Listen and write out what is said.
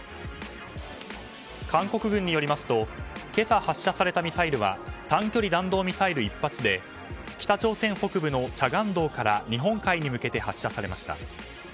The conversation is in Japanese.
韓国軍によりますと今朝発射されたミサイルは短距離弾道ミサイル１発で北朝鮮北部のチャガン道から日本海に向けて発射されました。